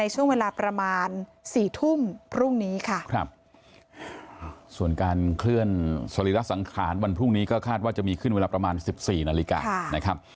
สรีระสังขารวันพรุ่งนี้ก็คาดว่าจะมีขึ้นเวลาประมาณ๑๔นาฬิกา